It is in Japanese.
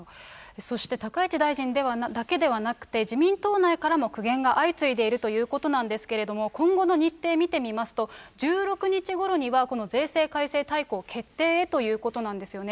そして高市大臣だけではなくて、自民党内からも苦言が相次いでいるということなんですけれども、今後の日程見てみますと、１６日ごろには、この税制改正大綱、決定へということなんですよね。